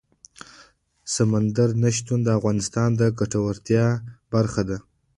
سمندر نه شتون د افغانانو د ګټورتیا برخه ده.